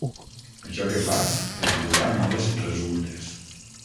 Això que fas, et durà males resultes.